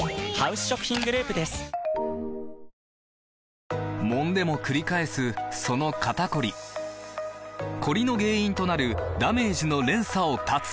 ニトリもんでもくり返すその肩こりコリの原因となるダメージの連鎖を断つ！